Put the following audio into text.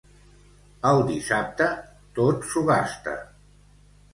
El dissabte tot s'ho gasta.